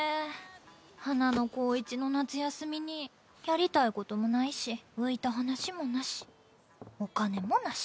華の高１の夏休みにやりたいこともないし浮いた話もなしお金もなし。